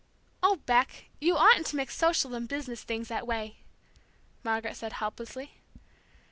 "Oh, Beck, you oughtn't to mix social and business things that way!" Margaret said helplessly.